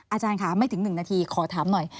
อาจารย์ค่ะไม่ถึง๑นาทีขอถามหน่อย